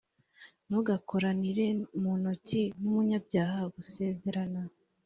ntugakoranire mu ntoki n umunyabyaha gusezerana